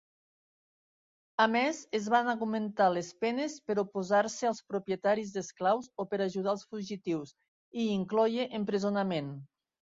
A més, es van augmentar les penes per oposar-se als propietaris d'esclaus o per ajudar els fugitius, i incloïa empresonament.